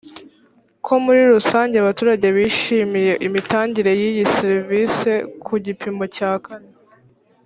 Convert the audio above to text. ko muri rusange abaturage bishimiye imitangire y iyi serivisi ku gipimo cya kane